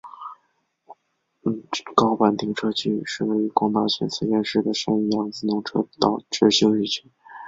高坂停车区是位于广岛县三原市的山阳自动车道之休息区。